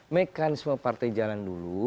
mekanisme partai jalan dulu